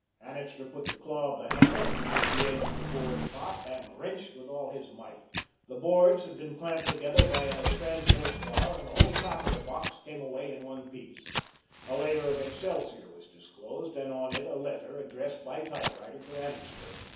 Annixter put the claw of the hammer underneath the edge of the board top and wrenched with all his might. The boards had been clamped together by a transverse bar and the whole top of the box came away in one piece. A layer of excelsior was disclosed, and on it a letter addressed by typewriter to Annixter.